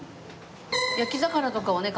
焼き魚とかはね